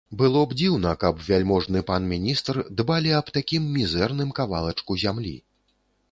Было б дзіўна, каб вяльможны пан міністр дбалі аб такім мізэрным кавалачку зямлі.